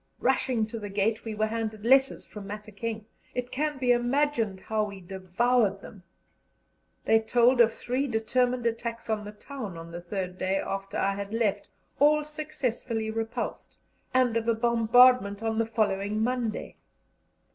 Rushing to the gate, we were handed letters from Mafeking. It can be imagined how we devoured them. They told of three determined attacks on the town on the third day after I had left, all successfully repulsed, and of a bombardment on the following Monday.